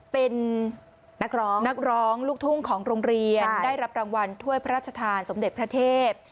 เป็นนักร้องนักร้องลูกทุ่งของโรงเรียนได้รับรางวัลถ้วยพระราชทานสมเด็จพระเทพ